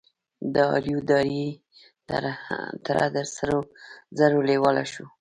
د آر يو ډاربي تره د سرو زرو لېواله شو.